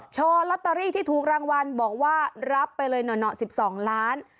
โชว์ลอตเตอรี่ที่ถูกรางวัลบอกว่ารับไปเลยหน่อ๑๒ล้าน